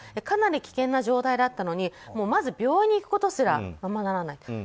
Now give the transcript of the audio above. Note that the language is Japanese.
かなり危険な状態だったのにまず病院に行くことすらままならない。